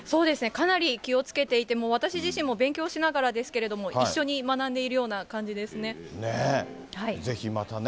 かなり気をつけていて、もう私自身も勉強しながらですけれども、一緒に学んでいぜひまたね。